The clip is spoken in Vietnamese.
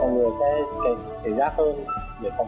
cũng như là cứ cho con em có việc làm